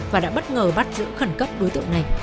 và đã bất ngờ bắt giữ khẩn cấp đối tượng này